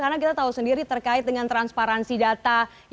karena kita tahu sendiri terkait dengan transparansi data yang terdapat